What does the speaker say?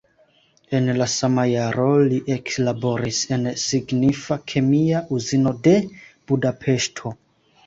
En la sama jaro li eklaboris en signifa kemia uzino de Budapeŝto.